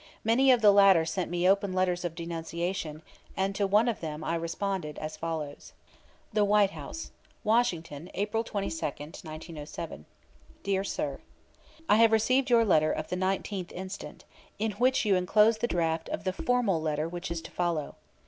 Many of the latter sent me open letters of denunciation, and to one of them I responded as follows: THE WHITE HOUSE, WASHINGTON, April 22, 1907. Dear Sir: I have received your letter of the 19th instant, in which you enclose the draft of the formal letter which is to follow.